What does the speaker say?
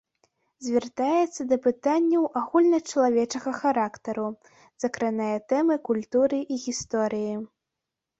Звяртаецца да пытанняў агульначалавечага характару, закранае тэмы культуры і гісторыі.